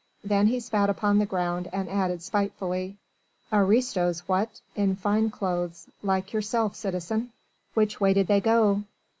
Then he spat upon the ground and added spitefully: "Aristos, what? In fine clothes like yourself, citizen...." "Which way did they go?"